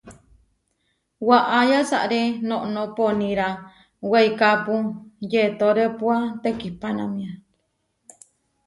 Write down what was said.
Waʼá yasaré noʼnó poníra weikápu yetórepua tekihpanámia.